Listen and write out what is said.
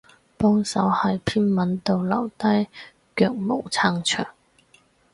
幫手喺篇文度留低腳毛撐場